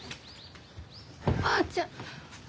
おばあちゃん。